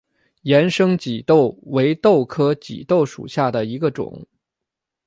盐生棘豆为豆科棘豆属下的一个种。